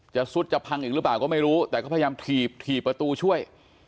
ซุดจะพังอีกหรือเปล่าก็ไม่รู้แต่ก็พยายามถีบถีบประตูช่วย